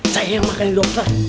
saya yang panggil dokter